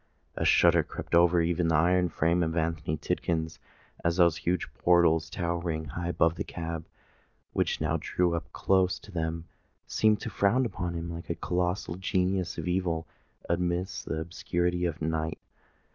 A shudder crept over even the iron frame of Anthony Tidkins, as those huge portals, towering high above the cab which now drew up close to them, seemed to frown upon him like a colossal genius of evil amidst the obscurity of night.